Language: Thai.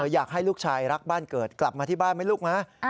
อยากให้ลูกชายรักบ้านเกิดกลับมาที่บ้านไหมลูกนะ